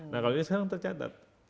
nah kalau ini sekarang tercatat